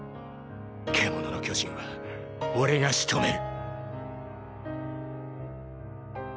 獣の巨人は俺が仕留める。